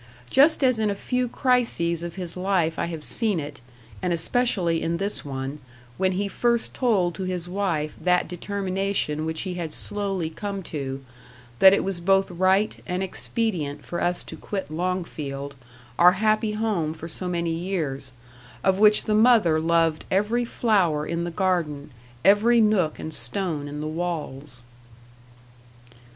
Just as in a few crises of his life I have seen it, and especially in this one, when he first told to his wife that determination which he had slowly come to that it was both right and expedient for us to quit Longfield, our happy home for so many years, of which the mother loved every flower in the garden, every nook and stone in the walls.